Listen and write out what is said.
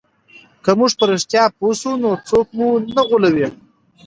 که موږ په رښتیا پوه سو نو څوک مو نه غولوي.